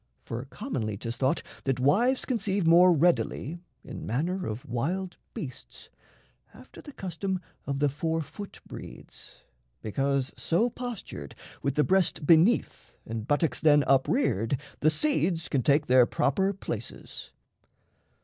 For commonly 'tis thought that wives conceive More readily in manner of wild beasts, After the custom of the four foot breeds, Because so postured, with the breasts beneath And buttocks then upreared, the seeds can take Their proper places.